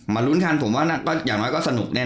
ลุ้นกันผมว่าอย่างน้อยก็สนุกแน่